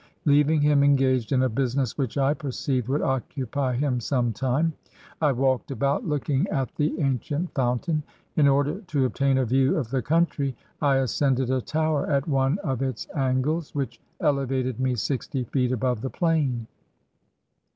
Leaving him engaged in a business which I perceived would occupy him some time, I walked about, looking at the ancient fountain. In order to ob tain a view of the country, I ascended a tower at one of its angles, which elevated me sixty feet above the plain.